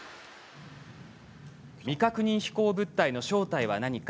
未確認飛行物体の正体は何か。